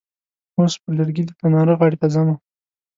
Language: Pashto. اوس په لرګي د تناره غاړې ته ځمه.